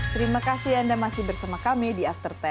terima kasih anda masih bersama kami di after sepuluh